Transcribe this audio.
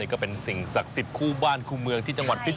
ก็เป็นสิ่งศักดิ์สิทธิ์คู่บ้านคู่เมืองที่จังหวัดพิษ